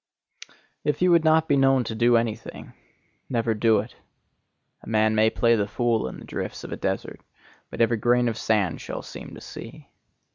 If you would not be known to do any thing, never do it. A man may play the fool in the drifts of a desert, but every grain of sand shall seem to see.